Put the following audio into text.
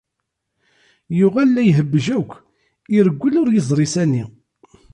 Yuɣal la ihebbej yakk, ireggel ur izṛi sani.